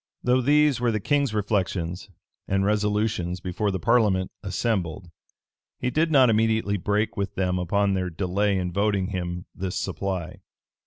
Though these were the king's reflections and resolutions before the parliament assembled, he did not immediately break with them upon their delay in voting him this supply.